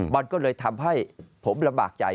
มันก็เลยทำให้ผมลำบากใจ